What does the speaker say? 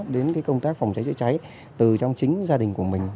đến cái công tác phòng cháy chơi cháy từ trong chính gia đình của mình